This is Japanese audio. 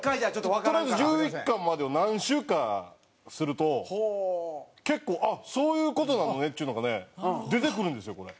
とりあえず１１巻までを何周かすると結構あっそういう事なのねっちゅうのがね出てくるんですよこれ。